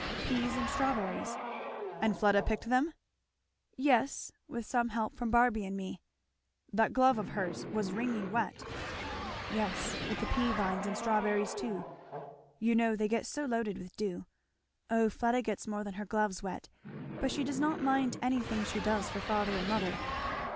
"Peas and strawberries." "And Fleda picked them?" "Yes with some help from Barby and me." "That glove of hers was wringing wet." "Yes, with the pea vines, and strawberries too; you know they get so loaded with dew. O Fleda gets more than her gloves wet. But she does not mind anything she does for father and mother."